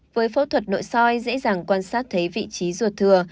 với phẫu thuật nội soi dễ dàng quan sát thấy vị trí ruột thừa